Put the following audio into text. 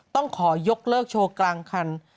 ต้องขอยกเลิกโชว์กลางคัน